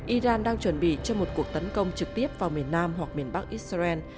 iran đang chuẩn bị cho một cuộc tấn công trực tiếp vào miền nam hoặc miền bắc israel